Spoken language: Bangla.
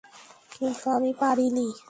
কিন্তু আমি পরিনি।